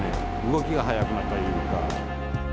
動きが速くなったりとか。